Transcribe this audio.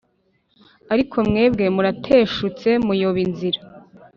Ariko mwebwe murateshutse muyoba inzira